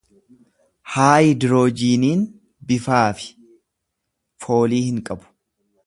haayidiroojiiniin bifaa fi foolii hin qabu.